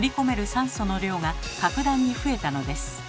酸素の量が格段に増えたのです。